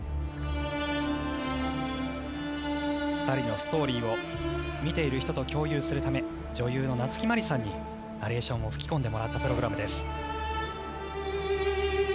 ２人のストーリーを見ている人と共有するため女優の夏木マリさんにナレーションを吹き込んでもらったプログラムです。